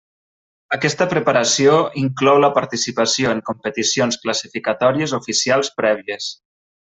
Aquesta preparació inclou la participació en competicions classificatòries oficials prèvies.